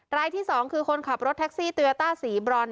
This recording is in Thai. รายที่สองคือคนขับรถแท็กซี่ตัวเติ้ลตาสีบรอล